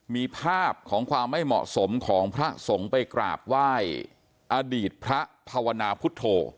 มีภาพของความไม่เหมาะสมของพระสงฆ์ไปกราบไหว้อดีตพระภาวนาพุทธโธ